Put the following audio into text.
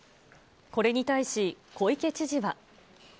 これに対し小池知事は。